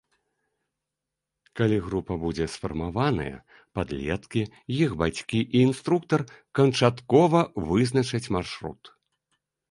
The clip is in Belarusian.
Калі група будзе сфармаваная, падлеткі, іх бацькі і інструктар канчаткова вызначаць маршрут.